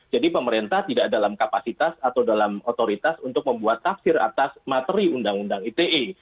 jadi pemerintah tidak dalam kapasitas atau dalam otoritas untuk membuat tafsir atas materi undang undang ite